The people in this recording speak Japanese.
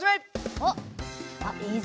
おっいいぞ！